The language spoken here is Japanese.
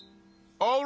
あれ？